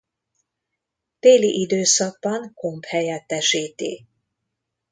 Téli időszakban komp helyettesíti.